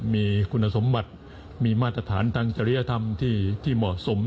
มีคุณสมบัติมีมาตรฐานทางจริยธรรมที่เหมาะสม